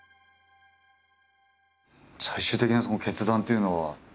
最終的なその決断っていうのは？